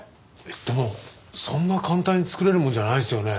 でもそんな簡単に作れるものじゃないですよね？